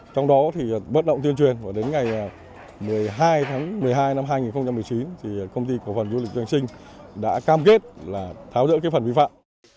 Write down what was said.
trong đó bất động tuyên truyền và đến ngày một mươi hai tháng một mươi hai năm hai nghìn một mươi chín công ty cổ phần du lịch doanh sinh đã cam kết tháo dỡ phần vi phạm